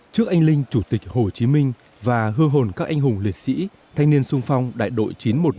trước anh linh chủ tịch hồ chí minh và hương hồn các anh hùng liệt sĩ thanh niên sung phong đại đội chín trăm một mươi năm